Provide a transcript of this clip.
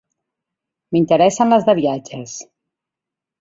M'interessen les de viatges.